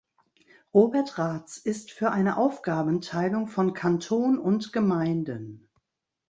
Robert Raths ist für eine Aufgabenteilung von Kanton und Gemeinden.